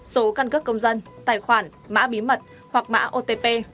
số căn cấp công dân tài khoản mã bí mật hoặc mã otp